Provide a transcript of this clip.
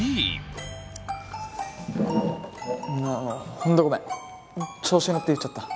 本当ごめん調子に乗って言っちゃった。